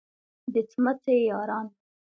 د څمڅې یاران.